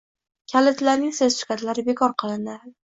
kalitlarining sertifikatlari bekor qilinadi